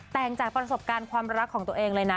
แต่งจากประสบการณ์ความรักของตัวเองเลยนะ